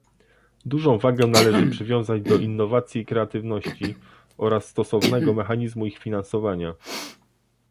Dużą wagę należy przywiązać do innowacji i kreatywności oraz stosownego mechanizmu ich finansowania